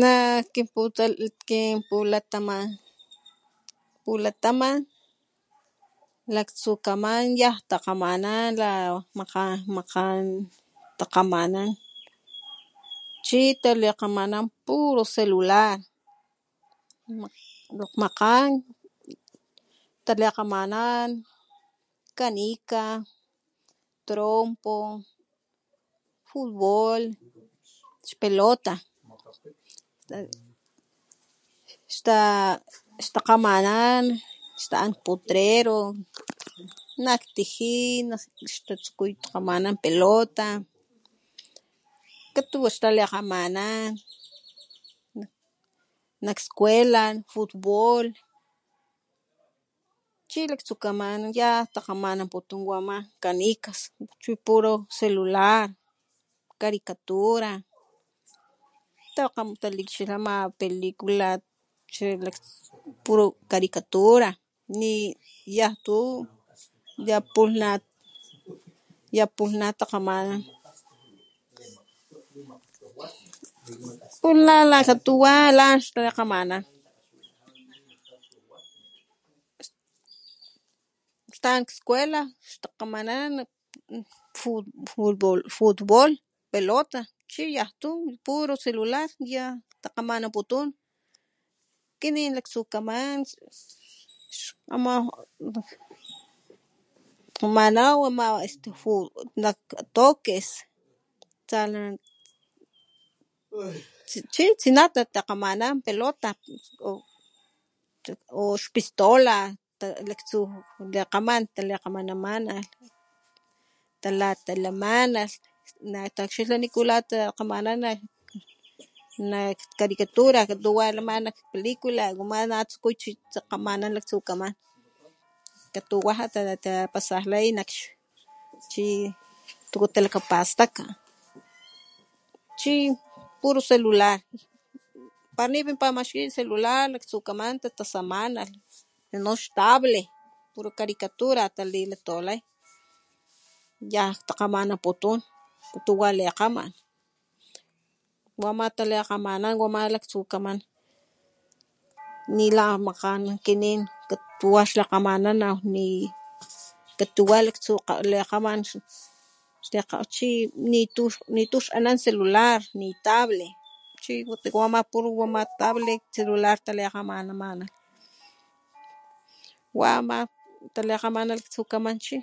Nak kinpulatamankan pulataman laktsukaman yan takgamanan la makgan takgamanan chi talikgamanan puro celular makgan talikgamanan canica trompo futbol xpelota xtakgamanan xtaan potrero nak tijin xtatsuku takgamanan pelota katuwa xtalikgamanan nak skuela futbol chi laktsukaman yan takgamanaputun wa ama canicas chu futbol puro celular caricatura wakg taakxila pelicula xalak tsu puro caricatura yantu yapulhna kgamanan pus nakatuwa la xlikgamanan xtaan nak skuela xtakgaman nak futbol pelota chi yan tupuro celular yan takgamanan kilaktsukaman aman takgamana aman toques chichi tsuna takgaman pelotas o xpistola laktsu likgaman talikgamananama talatalamana na taakxila nikula talgamanan nak caricatura katuwA lama plicula nachuna tsukuy takgamanan laktsukaman katuwa talapasakan chi katuwa talakapastaka chi puro celulat para nipinpat maxkiya ceular tatasamana sino xtable puro caricatura latawilay yan takgananputuy katuwa likgaman wa ama talikgamana wa ama laktsukaman nila makgan akinin wax lakgamanaw katuwa laktsu likgaman lata chi nitu xanan celular table chi watiya puro wa ama table y celular talikgamanamana wa ama talikgamana laktsukaman chi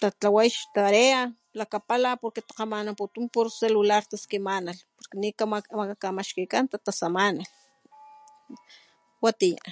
tatlaway xtarea pala porque takgamanaputun puro celular pula taskimana kamaxkikan tatasamana watiya.